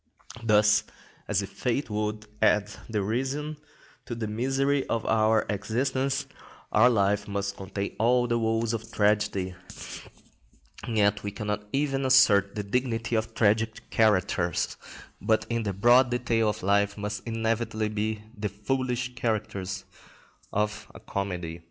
Thus, as if fate would add derision to the misery of our existence, our life must contain all the woes of tragedy, and yet we cannot even assert the dignity of tragic characters, but in the broad detail of life must inevitably be the foolish characters of a comedy.